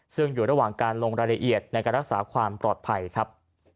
ซึ่งอยู่ระหว่างการลงรายละเอียดในการรักษาความปลอดภัยครับ